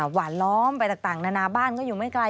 หวานล้อมไปต่างนานาบ้านก็อยู่ไม่ไกล